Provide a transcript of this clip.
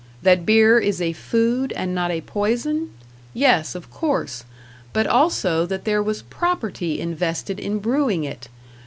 That beer is a food and not a poison? Yes, of course; but also that there was property invested in brewing it.